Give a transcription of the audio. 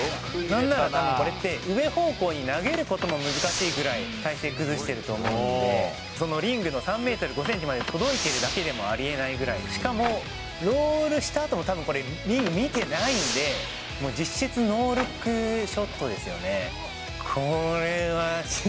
なんならこれって、上方向に投げることも難しいぐらい、体勢崩してると思うんで、そのリングの３メートル５センチまで届いてるのもありえないぐらい、しかも、ロールしたあともこれ、リング見てないんで、実質、ノールックショットですよね。